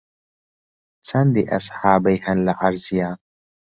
چەندی ئەسحابەی هەن لە عەرزییە